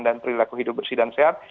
dan perilaku hidup bersih dan sehat